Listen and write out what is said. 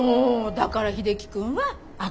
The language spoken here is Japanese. だから秀樹くんは赤。